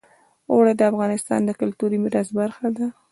اوړي د افغانستان د کلتوري میراث برخه ده.